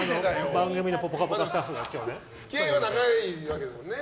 付き合いは長いわけですからね。